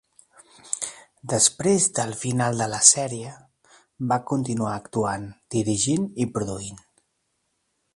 Després del final de la sèrie, va continuar actuant, dirigint i produint.